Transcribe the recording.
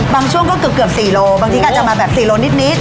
บางช่วงก็เกือบ๔โลบางทีก็จะมา๔โลนิด